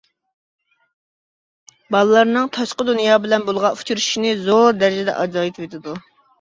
بالىلارنىڭ تاشقى دۇنيا بىلەن بولغان ئۇچرىشىشىنى زور دەرىجىدە ئازايتىۋېتىدۇ.